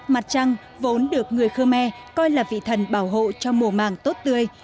mặt trăng vốn được người khmer coi là vị thần bảo hộ cho mùa màng tốt tươi